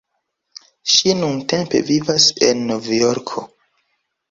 Ŝi nuntempe vivas en Novjorko.